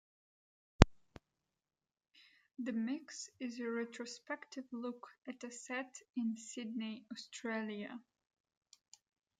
The mix is a retrospective look at a set in Sydney, Australia.